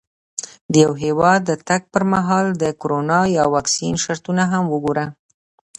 د یو هېواد د تګ پر مهال د کرونا یا واکسین شرطونه هم وګوره.